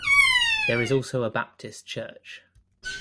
There is also a Baptist church.